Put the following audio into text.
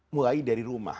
mulai dari rumah